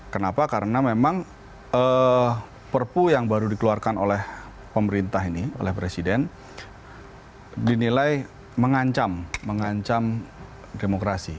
kenapa karena memang perpu yang baru dikeluarkan oleh pemerintah ini oleh presiden dinilai mengancam mengancam demokrasi